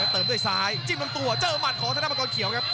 เติมด้วยซ้ายจิ้มลำตัวเจอหมัดของธนมังกรเขียวครับ